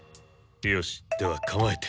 よしではかまえて。